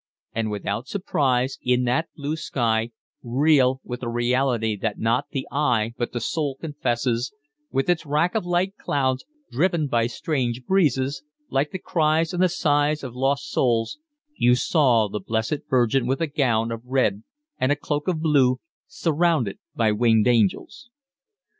And without surprise, in that blue sky, real with a reality that not the eye but the soul confesses, with its rack of light clouds driven by strange breezes, like the cries and the sighs of lost souls, you saw the Blessed Virgin with a gown of red and a cloak of blue, surrounded by winged angels.